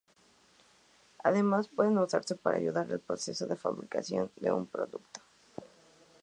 Además pueden usarse para ayudar al proceso de fabricación de un producto.